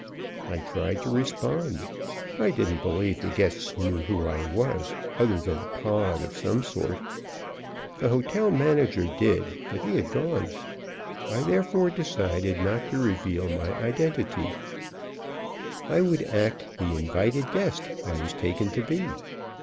I tried to respond. I didn't believe the guests knew who I was, other than a pod of some sort. The hotel manager did, but he had gone. I therefore decided not to reveal my identity; I would act the invited guest I was taken to be.